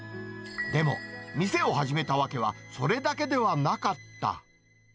でも、店を始めたわけは、それだけではなかった。